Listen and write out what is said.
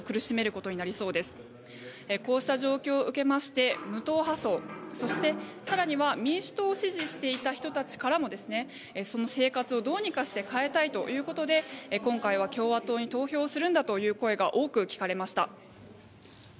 こうした状況を受けまして無党派層そして更には民主党を支持していた人たちからも生活をどうにかして変えたいということで今回は共和党に投票するんだという声が多く聞かれました。